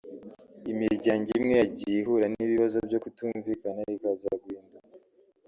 Imiryango imwe yagiye ihura n’ibibazo byo kutumvikana ikaza guhinduka